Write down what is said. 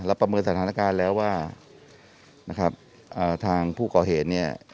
แล้วปำเมิดสถานการณ์แล้วว่านะครับเอ่อทางผู้ก่อเหตุเนี้ย